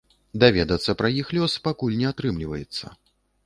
Даведацца пра іх лёс пакуль не атрымліваецца.